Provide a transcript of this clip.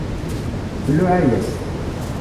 Tluɛa-yas.